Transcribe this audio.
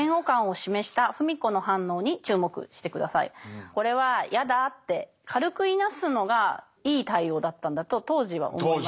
この時これは「やだぁ」って軽くいなすのがいい対応だったんだと当時は思います。